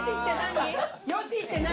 「よし！」って何？